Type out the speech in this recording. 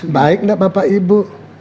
baik enggak bapak ibu